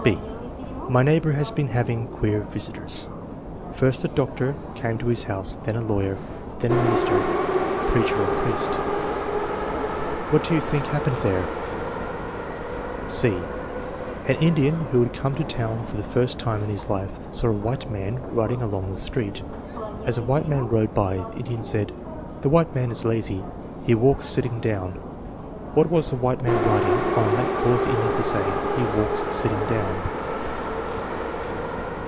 (b) "My neighbor has been having queer visitors. First a doctor came to his house, then a lawyer, then a minister (preacher or priest). What do you think happened there?" 316 THE MEASUREMENT OF INTELLIGENCE (c) "An Indian who had come to town for the first time in his life saw a white man riding along the street. As the white man rode by, ike Indian said * The white man is lazy; he walks sitting down' What was the white man riding on that caused the Indian to say, 'He walks sitting down'?'